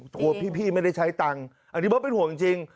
ตัวพี่ไม่ได้ใช้ตังค์อันนี้เบิร์ตเป็นห่วงจริง